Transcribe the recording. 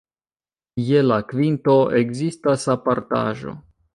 Je la kvinto ekzistas apartaĵo.